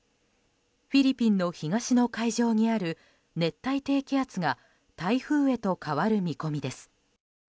フィリピンの東の海上にある熱帯低気圧が台風へと変わる見込みです。